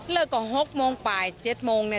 เลิกกว่า๖โมงไป๗โมงเนี่ย